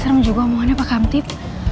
serem juga omongannya pak artief